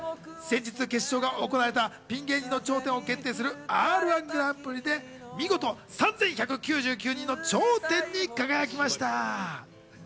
先日、決勝が行われたピン芸人の頂点を決定するＲ−１グランプリで見事３１９９人の頂点に輝きました。